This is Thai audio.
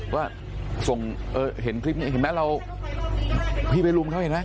หนึ่งคือแบบเห็นคลิปใบรุมเขาเห็นไหม